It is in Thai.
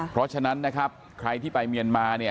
เพราะฉะนั้นนะครับใครที่ไปเมียนมาเนี่ย